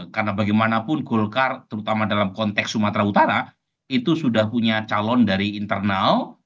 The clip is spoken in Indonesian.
karena bagaimanapun golkar terutama dalam konteks sumatera utara itu sudah punya calon dari internal